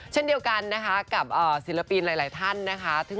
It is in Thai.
เช่นเดียวกันนะคะกับศิลปินหลายท่านนะคะ